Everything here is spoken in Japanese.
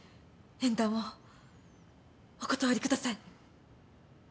縁談をお断りください。